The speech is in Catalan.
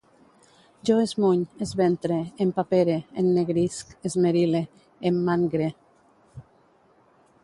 Jo esmuny, esventre, empapere, ennegrisc, esmerile, emmangre